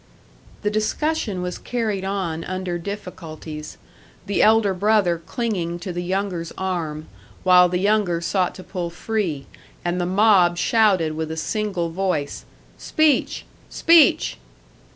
The discussion was carried on under difficulties, the elder brother clinging to the younger's arm, while the younger sought to pull free, and the mob shouted with a single voice, "Speech! Speech!"